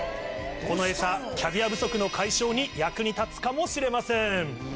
このエサキャビア不足の解消に役に立つかもしれません。